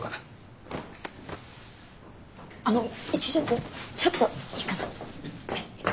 あの一条くんちょっといいかな。